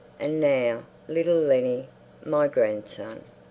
And now little Lennie—my grandson....